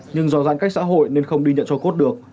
nhưng do giãn cách xã hội nên không đi nhận cho cốt được